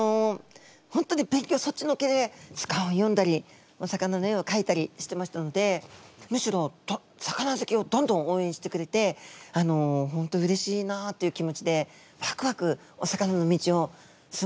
本当に勉強そっちのけで図鑑を読んだりお魚の絵をかいたりしてましたのでむしろ魚好きをどんどんおうえんしてくれて本当うれしいなという気持ちでワクワクお魚の道を進むことができたんですね。